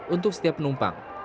untuk setiap penumpang